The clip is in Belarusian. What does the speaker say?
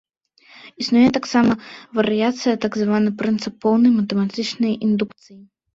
Існуе таксама варыяцыя, так званы прынцып поўнай матэматычнай індукцыі.